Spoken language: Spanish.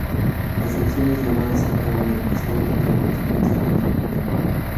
Las acciones llevadas a cabo en el pasado tendrán consecuencias en el futuro.